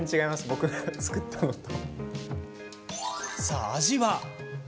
僕が作ったのと。